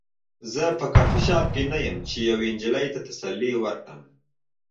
زه په کافي شاپ کې نه یم چې یوې نجلۍ ته تسلي ورکړم